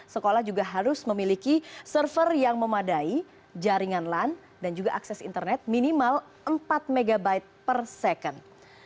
sekolah juga harus memiliki server yang memadai jaringan lan dan juga akses internet minimal empat mb per second